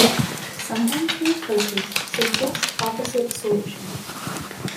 Sometimes the approaches suggest opposite solutions.